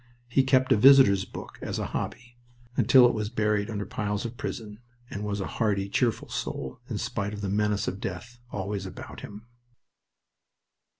He kept a visitors' book as a hobby, until it was buried under piles of prison, and was a hearty, cheerful soul, in spite of the menace of death always about him.